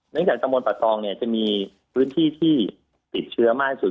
เนื่องจากตำบลป่าตองจะมีพื้นที่ที่ติดเชื้อมากที่สุด